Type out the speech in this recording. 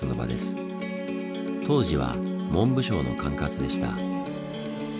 当時は文部省の管轄でした。